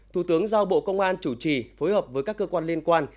thủ tướng giao bộ công an chủ trì phối hợp với các cơ quan liên quan